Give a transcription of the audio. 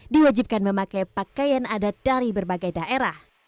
diwajibkan memakai pakaian adat dari berbagai daerah